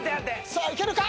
さあいけるか！？